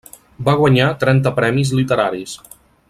Va guanyar trenta premis literaris.